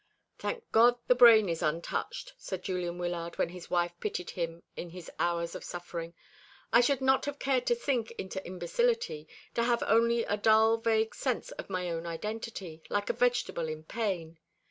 "Thank God the brain is untouched," said Julian Wyllard, when his wife pitied him in his hours of suffering. "I should not have cared to sink into imbecility, to have only a dull vague sense of my own identity, like a vegetable in pain.